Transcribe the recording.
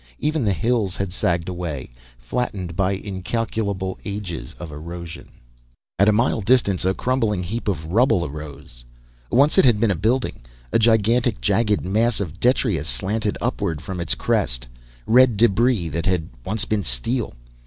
Even the hills had sagged away, flattened by incalculable ages of erosion. At a mile distance, a crumbling heap of rubble arose. Once it had been a building. A gigantic, jagged mass of detritus slanted upward from its crest red debris that had once been steel.